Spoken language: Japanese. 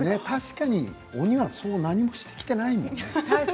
確かに、鬼は何もしてきていないもんね。